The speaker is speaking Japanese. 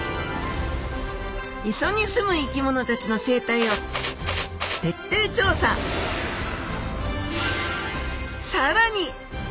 磯に住む生き物たちの生態をさらに！